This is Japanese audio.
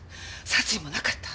殺意もなかった。